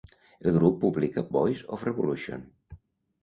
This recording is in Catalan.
El grup publica "Voice of Revolution".